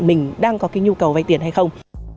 mình đang có cái nhu cầu vay tiền hay không